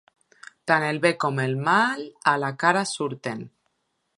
Tant el bé com el mal a la cara surten.